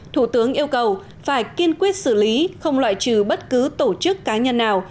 thủ tướng yêu cầu phải kiên quyết xử lý không loại trừ bất cứ tổ chức cá nhân nào